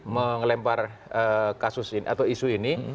melempar kasus ini atau isu ini